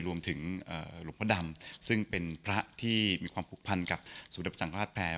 รวมถึงเอ่อลุงพระดำซึ่งเป็นพระที่มีความผูกพันค์กับสุพธิปสังคราชแพทย์